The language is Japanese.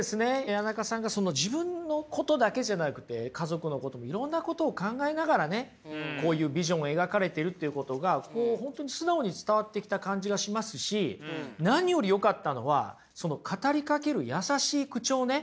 谷中さんが自分のことだけじゃなくて家族のこともいろんなことを考えながらねこういうビジョンを描かれているということが本当に素直に伝わってきた感じがしますし何よりよかったのは語りかける優しい口調ね。